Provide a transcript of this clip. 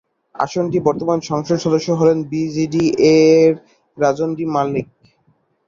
আসনটির বর্তমান সংসদ সদস্য হলেন বিজেডি-এর রাজশ্রী মালিক।